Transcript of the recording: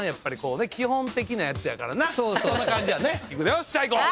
よっしゃいこう！